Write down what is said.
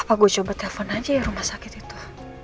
apa gua coba telfon aja ya rumah sakit itu